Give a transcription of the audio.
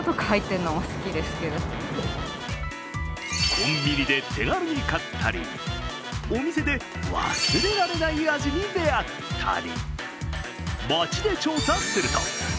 コンビニで手軽に買ったり、お店で忘れられない味に出会ったり。